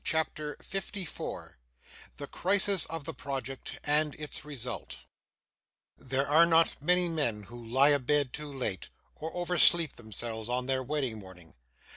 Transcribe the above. CHAPTER 54 The Crisis of the Project and its Result There are not many men who lie abed too late, or oversleep themselves, on their wedding morning.